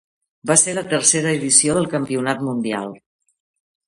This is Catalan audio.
Va ser la tercera edició del campionat mundial.